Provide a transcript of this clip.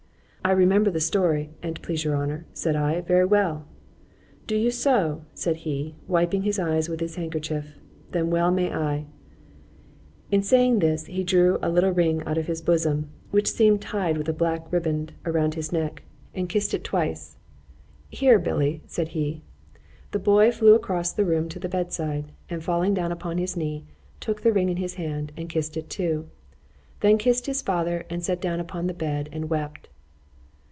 ——I remember the story, an't please your honour, said I, very well.——Do you so? said he, wiping his eyes with his handkerchief—then well may I.—In saying this, he drew a little ring out of his bosom, which seemed tied with a black ribband about his neck, and kiss'd it twice——Here, Billy, said he,—the boy flew across the room to the bed side,—and falling down upon his knee, took the ring in his hand, and kissed it too,—then kissed his father, and sat down upon the bed and wept.